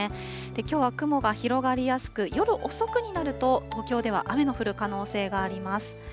きょうは雲が広がりやすく、夜遅くになると東京では雨の降る可能性があります。